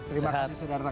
terima kasih sudara